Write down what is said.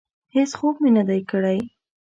هېڅ خوب مې نه دی کړی.